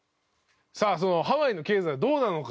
さあそのハワイの経済はどうなのか？